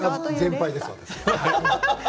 全敗です、私は。